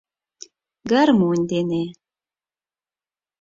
Гармонь дене...